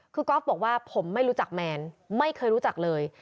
คือก๊อฟบอกว่าผมไม่รู้จักแมนไม่เคยรู้จักเลย